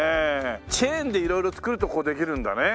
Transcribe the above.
チェーンで色々作るとこうできるんだね。